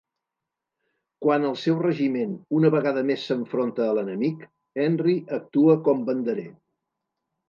Quan el seu regiment, una vegada més s'enfronta a l'enemic, Henry actua com banderer.